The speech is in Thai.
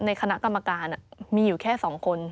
ในคณะกรรมการมีอยู่แค่๒คน